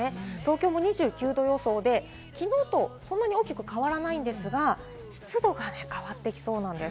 東京も２９℃予想で、きのうとそんなに大きく変わらないんですが、湿度がね変わってきそうなんです。